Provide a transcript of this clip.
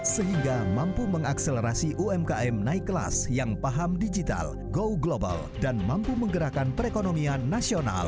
sehingga mampu mengakselerasi umkm naik kelas yang paham digital go global dan mampu menggerakkan perekonomian nasional